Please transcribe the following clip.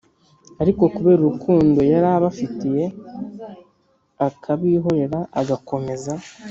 ariko kubera urukundo yari abifitiye, akabihorera agakomeza”